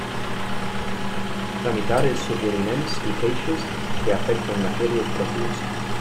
Tramitar els suggeriments i queixes que afecten matèries pròpies.